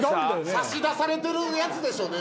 差し出されてるやつでしょね